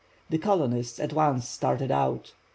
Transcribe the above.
The colonists at once started out.